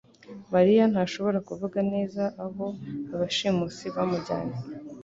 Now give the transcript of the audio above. mariya ntashobora kuvuga neza aho abashimusi bamujyanye